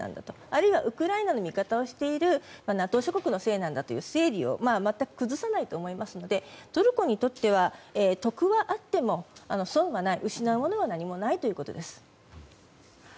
あるいはウクライナの味方をしているＮＡＴＯ諸国のせいなんだという整理を全く崩さないと思いますのでトルコにとっては得はあっても損はない失うものは何もないということです。